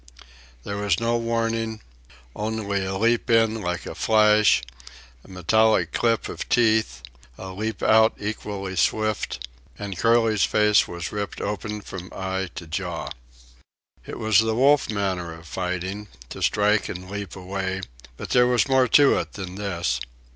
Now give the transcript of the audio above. There was no warning, only a leap in like a flash, a metallic clip of teeth, a leap out equally swift, and Curly's face was ripped open from eye to jaw. It was the wolf manner of fighting, to strike and leap away; but there was more to it than this.